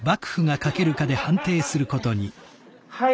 はい！